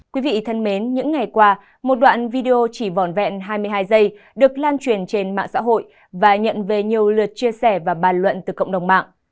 quý vị thân mến những ngày qua một đoạn video chỉ vòn vẹn hai mươi hai giây được lan truyền trên mạng xã hội và nhận về nhiều lượt chia sẻ và bàn luận từ cộng đồng mạng